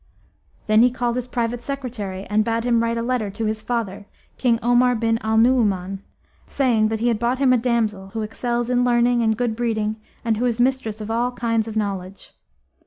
Then he called his private secretary and bade him write a letter to his father, King Omar bin al Nu'uman, saying that he had bought him a damsel, who excels in learning and good breeding and who is mistress of all kinds of knowledge.